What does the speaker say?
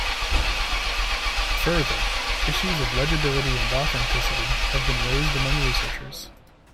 Further, issues of legibility and authenticity have been raised among researchers.